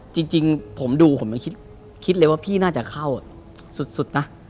จริงผมดูผมยังคิดเลยว่าพี่น่าจะเข้าสุดนะ